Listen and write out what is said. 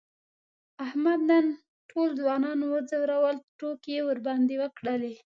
احمد نن ټول ځوانان و ځورول، ټوکې یې ورباندې وکړلې.